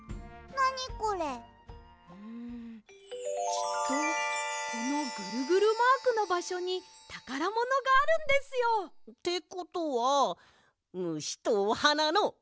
きっとこのぐるぐるマークのばしょにたからものがあるんですよ！ってことは「むし」と「おはな」のあいだにあるぞってことか！